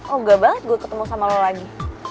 oh enggak banget gue ketemu sama lo lagi